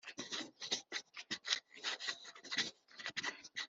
Mu Gihe Cyo Kurakaza